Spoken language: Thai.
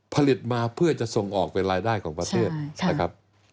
ผลิตมาเพื่อจะส่งออกเป็นรายได้ของประเทศนะครับ